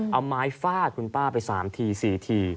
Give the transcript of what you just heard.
เอาไม้ฟาดคุณป้าไป๓ที๔ที